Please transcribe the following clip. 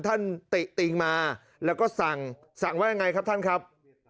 ติติงมาแล้วก็สั่งสั่งว่ายังไงครับท่านครับ